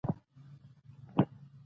پښتو ژبه د خپلو ویونکو په زیار ژوندۍ ده